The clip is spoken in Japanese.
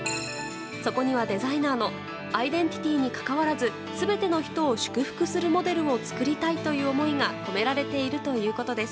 そこには、デザイナーのアイデンティティーにかかわらず全ての人を祝福するモデルを作りたいという思いが込められているということです。